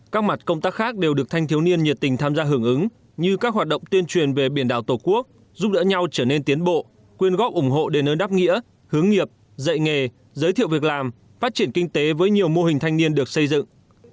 các mặt công tác khác đều được thanh thiếu niên nhiệt tình tham gia hưởng ứng như các hoạt động tuyên truyền về biển đảo tổ quốc giúp đỡ nhau trở nên tiến bộ quyên góp ủng hộ đề nơn đáp nghĩa hướng nghiệp dạy nghề giới thiệu việc làm phát triển kinh tế với nhiều mô hình thanh niên được xây dựng